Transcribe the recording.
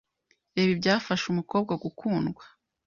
Reba ibyafasha umukobwa gukundwa